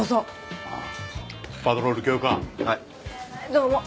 どうも。